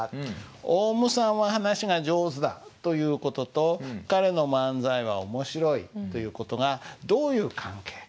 「オウムさんは話が上手だ」という事と「彼の漫才は面白い」という事がどういう関係か。